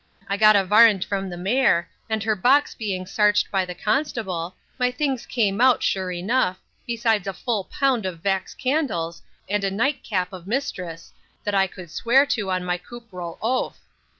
I got a varrant from the mare, and her box being sarched by the constable, my things came out sure enuff; besides a full pound of vax candles, and a nite cap of mistress, that I could sware to on my cruperal oaf O!